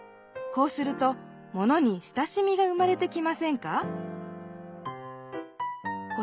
こうするとものに親しみが生まれてきませんか？